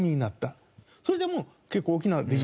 それでも結構大きな。